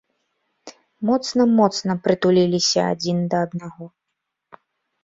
Моцна-моцна прытуліліся адзін да аднаго.